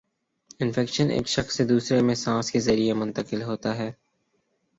infection ایک شخص سے دوسرے میں سانس کے ذریعے منتقل ہوتا ہے